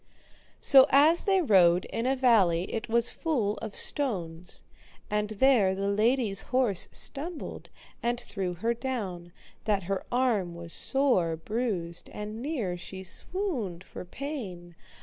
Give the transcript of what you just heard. So as they rode in a valley it was full of stones, and there the lady's horse stumbled and threw her down, that her arm was sore bruised and near she swooned for pain.